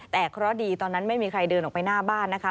แต่เคราะห์ดีตอนนั้นไม่มีใครเดินออกไปหน้าบ้านนะคะ